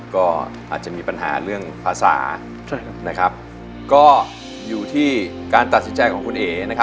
คือมันจะมี